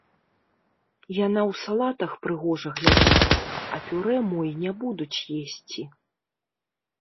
Яна ў салатах прыгожа глядзіцца, а пюрэ мо і не будуць есці.